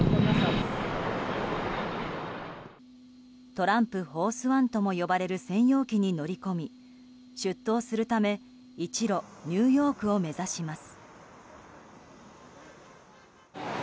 「トランプ・フォースワン」とも呼ばれる専用機に乗り込み出頭するため、一路ニューヨークを目指します。